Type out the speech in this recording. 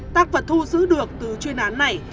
tăng vật thu giữ được từ chuyên án này